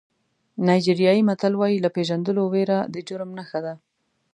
نایجیریایي متل وایي له پېژندلو وېره د جرم نښه ده.